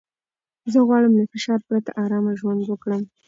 زه غواړم له فشار پرته ارامه ژوند وکړم.